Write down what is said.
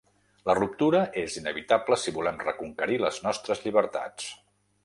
La ruptura és inevitable si volem reconquerir les nostres llibertats.